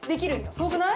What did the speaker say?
すごくない？